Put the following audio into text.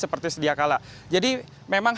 seperti sedia kala jadi memang